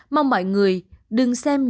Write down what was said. mong mọi người đừng xem những